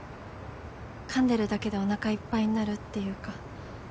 かんでるだけでおなかいっぱいになるっていうか。